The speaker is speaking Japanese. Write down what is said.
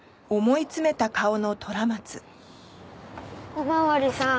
お巡りさん。